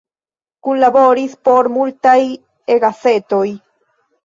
Kunlaboris por multaj E-gazetoj.